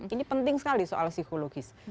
ini penting sekali soal psikologis